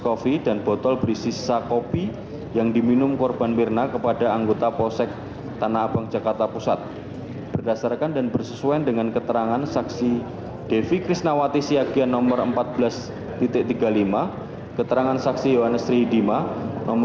kopi dan botol berisi sisa kopi yang diminum korban mirna kepada anggota posec tanah apang jakarta pusat berdasarkan dan bersesuaian dengan keterangan saksi devi kisnawati syakian nomor empat belas tiga puluh lima keterangan saksi yohanes ridima nomor sembilan sepuluh